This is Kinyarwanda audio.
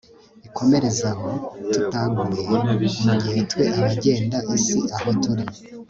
ikomereze aho, tutaguye, mugihe twe abagenda isi aho turi